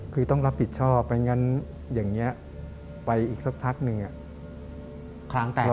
คือต้องรับผิดชอบไม่งั้นอย่างนี้ไปอีกสักพักหนึ่งครั้ง